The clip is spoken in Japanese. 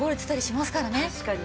確かに。